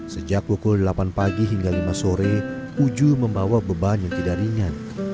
sejak pukul delapan pagi hingga lima sore ujul membawa beban yang tidak ringan